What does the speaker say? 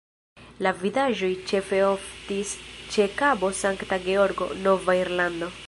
La vidaĵoj ĉefe oftis ĉe Kabo Sankta Georgo, Nova Irlando.